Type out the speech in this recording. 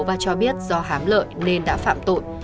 và cho biết do hám lợi nên đã phạm tội